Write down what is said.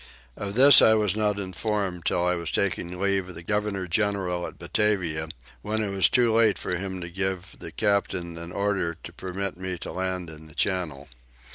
Of this I was not informed till I was taking leave of the governor general at Batavia, when it was too late for him to give the Captain an order to permit me to land in the channel.